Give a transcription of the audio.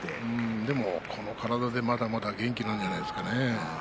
でもこの体でまだまだ元気なんじゃないですかね。